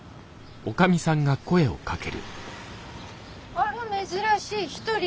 あれ珍しい１人？